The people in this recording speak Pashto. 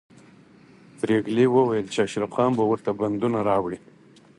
پريګلې وویل چې اشرف خان به ورته بندونه راوړي